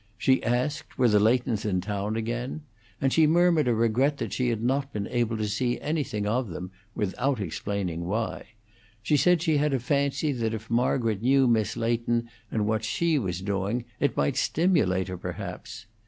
She asked, were the Leightons in town again; and she murmured a regret that she had not been able to see anything of them, without explaining why; she said she had a fancy that if Margaret knew Miss Leighton, and what she was doing, it might stimulate her, perhaps.